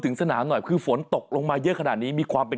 สนามหน่อยคือฝนตกลงมาเยอะขนาดนี้มีความเป็น